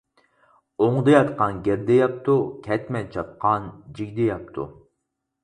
ئوڭدا ياتقان گىردە يەپتۇ كەتمەن چاپقان جىگدە يەپتۇ.